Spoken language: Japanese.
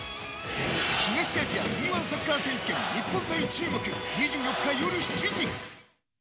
東アジアＥ‐１サッカー選手権日本対中国２４日、夜７時。